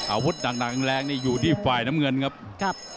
อาวุธต่างแรงนี่อยู่ที่ฝ่ายน้ำเงินครับ